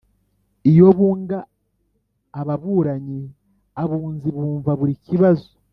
Iyo bunga ababuranyi Abunzi bumva buri kibazo